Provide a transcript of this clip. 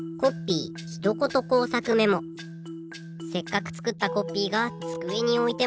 せっかくつくったコッピーがつくえにおいてもかおをださない。